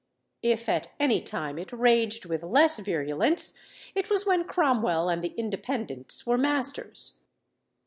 If at any time it raged with less virulence, it was when Cromwell and the Independents were masters.